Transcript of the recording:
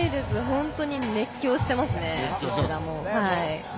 本当に熱狂しています。